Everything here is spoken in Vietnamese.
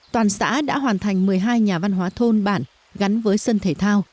toàn xã đã hoàn thành một mươi hai nhà văn hóa thôn bản gắn với sân thể thao